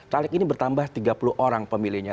caleg ini bertambah tiga puluh orang pemilihnya